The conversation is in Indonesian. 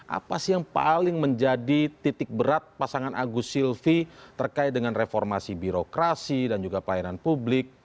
apa sih yang paling menjadi titik berat pasangan agus silvi terkait dengan reformasi birokrasi dan juga pelayanan publik